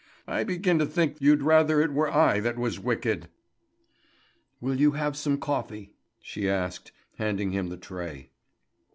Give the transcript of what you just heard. I begin to think you'd rather it were I that was wicked." "Will you have some coffee?" she asked, handing him the tray.